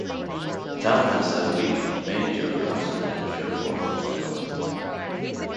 The town has a Weak Mayor-Council-Manager form of government.